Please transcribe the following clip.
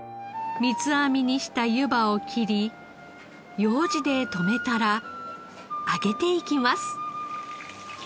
三つ編みにしたゆばを切りようじで留めたら揚げていきます。